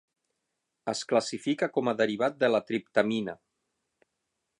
Es classifica com a derivat de la triptamina.